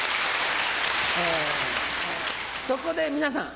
そこで皆さん